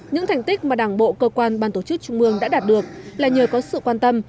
những thành tích mà đảng bộ cơ quan ban tổ chức trung ương đã đạt được là nhờ có sự quan tâm